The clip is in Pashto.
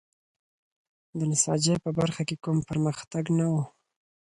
د نساجۍ په برخه کې کوم پرمختګ نه و.